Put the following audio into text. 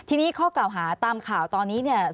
ทีนี้ข้อกล่าวหาตามข่าวตอนนี้เนี่ย